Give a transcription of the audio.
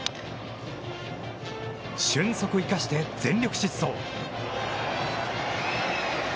俊足を生かして、全力疾走。